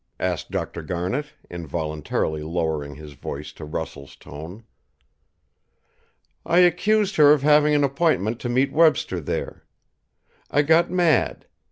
asked Dr. Garnet, involuntarily lowering his voice to Russell's tone. "I accused her of having an appointment to meet Webster there. I got mad.